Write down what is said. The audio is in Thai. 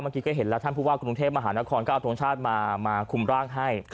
เมื่อกี้ก็เห็นแล้วท่านผู้ว่ากรุงเทพมหานครก็เอาทรงชาติมาคุมร่างให้